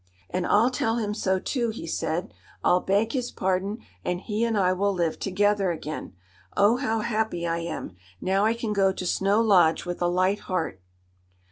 "And I'll tell him so, too," he said. "I'll beg his pardon, and he and I will live together again. Oh, how happy I am! Now I can go to Snow Lodge with a light heart."